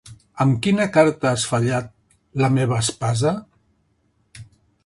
Amb quina carta has fallat la meva espasa?